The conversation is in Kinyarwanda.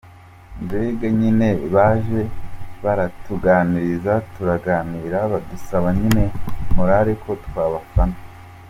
mbega nyine baje baratuganiriza, turaganira, badusaba nyine morale ko twabafana.